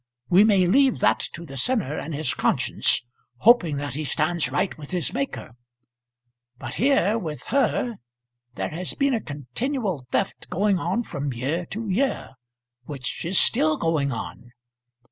We may leave that to the sinner and his conscience, hoping that he stands right with his Maker. But here, with her, there has been a continual theft going on from year to year, which is still going on.